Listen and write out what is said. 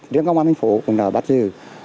điện công an hình phổ cũng đã bắt dự